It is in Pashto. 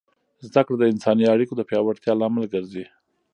زده کړه د انساني اړیکو د پیاوړتیا لامل ګرځي.